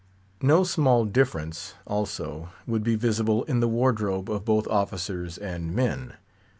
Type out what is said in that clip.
No small difference, also, would be visible in the wardrobe of both officers and men.